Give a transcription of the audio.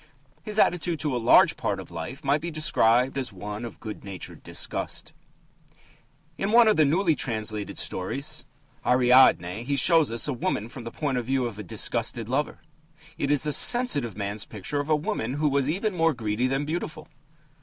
His attitude to a large part of life might be described as one of good natured disgust. In one of the newly translated stories, Ariadne, he shows us a woman from the point of view of a disgusted lover. It is a sensitive man's picture of a woman who was even more greedy than beautiful.